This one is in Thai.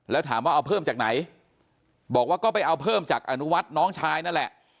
แล้วถามว่าเอาเพิ่มจากไหนบอกว่าก็ไปเอาเพิ่มจากอนุวัฒน์น้องชายนั่นแหละ